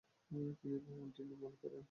তিনি এ ভবনটি নির্মাণ করেন।